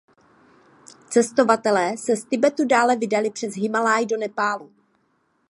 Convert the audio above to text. Cestovatelé se z Tibetu dále vydali přes Himálaj do Nepálu.